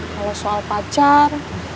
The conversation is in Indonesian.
kalau soal pacar